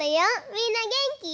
みんなげんき？